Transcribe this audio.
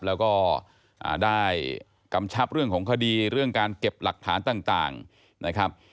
แล้วก็ได้กำชับเรื่องของคดีเรื่องการเก็บหลักฐานต่างนะครับ